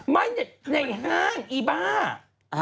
ไม่นายนางอีบ๊า